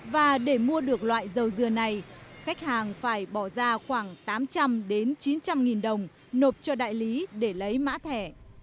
và để mua được loại dầu dừa này khách hàng phải bỏ ra khoảng tám trăm linh chín trăm linh nghìn đồng nộp cho đại lý để lấy mã thẻ